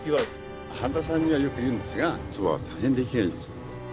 半田さんにはよく言うんですがそばは大変出来がいい。